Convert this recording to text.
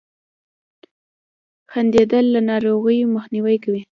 • خندېدل له ناروغیو مخنیوی کوي.